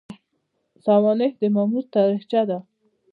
سوانح د مامور تاریخچه ده